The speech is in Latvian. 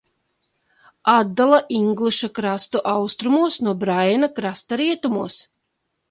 Atdala Ingliša krastu austrumos no Braiena krasta rietumos.